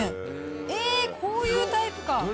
えっ、こういうタイプか。